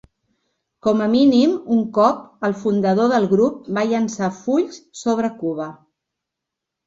Com a mínim un cop, el fundador del grup va llançar fulls sobre Cuba.